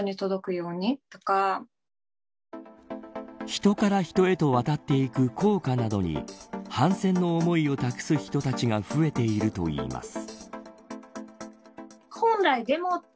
人から人へと渡っていく硬貨などに反戦の思いを託す人たちが増えているといいます。